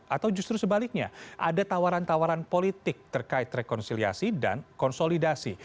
atau justru sebaliknya ada tawaran tawaran politik terkait rekonsiliasi dan konsolidasi